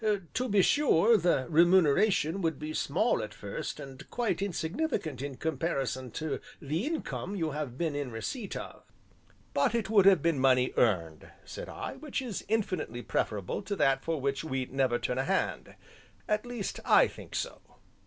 To be sure the remuneration would be small at first and quite insignificant in comparison to the income you have been in the receipt of." "But it would have been money earned," said I, "which is infinitely preferable to that for which we never turn a hand at least, I think so."